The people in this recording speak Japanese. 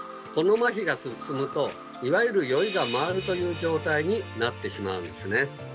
そのまひが進むといわゆる酔いが回るという状態になってしまうんですね。